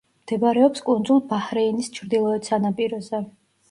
მდებარეობს კუნძულ ბაჰრეინის ჩრდილოეთ სანაპიროზე.